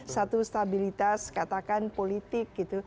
satu stabilitas katakan politik gitu